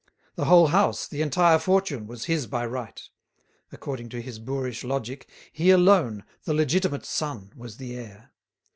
The whole house, the entire fortune, was his by right; according to his boorish logic, he alone, the legitimate son, was the heir.